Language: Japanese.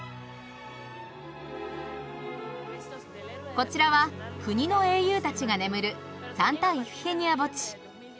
こちらは国の英雄たちが眠るサンタ・イフィヘニア墓地。